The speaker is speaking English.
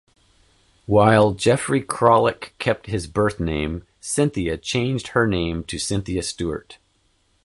While Jeffrey Krolik kept his birthname, Cynthia changed her name to Cynthia Stuart.